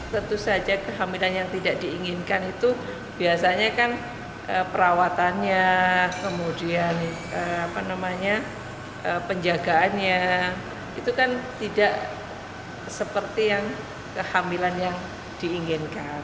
tentu saja kehamilan yang tidak diinginkan itu biasanya kan perawatannya kemudian penjagaannya itu kan tidak seperti yang kehamilan yang diinginkan